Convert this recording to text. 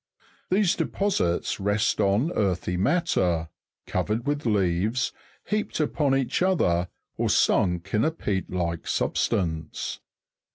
These deposits rest on earthy matter, covered with leaves, heaped upon each other, or sunk in a peat like substance.